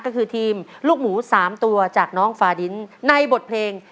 ก็คือทีมลูกหมู๓ตัวจากน้องฟาดินในบทเพลง